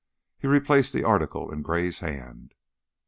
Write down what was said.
He replaced the article in Gray's hand.